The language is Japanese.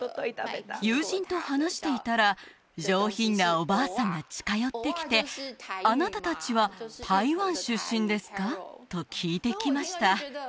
友人と話していたら上品なおばあさんが近寄ってきて「あなた達は台湾出身ですか？」と聞いてきました